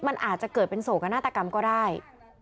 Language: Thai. มันอาจจะเกิดเป็นโศกนาฏกรรมก็ได้